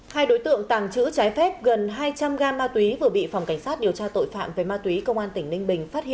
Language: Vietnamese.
hai đối tượng tàng trữ trái phép gần hai trăm linh gam ma túy vừa bị phòng cảnh sát điều tra tội phạm về ma túy công an tỉnh ninh bình phát hiện